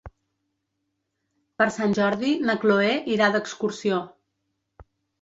Per Sant Jordi na Chloé irà d'excursió.